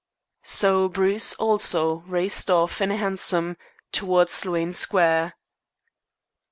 So Bruce also raced off in a hansom towards Sloane Square.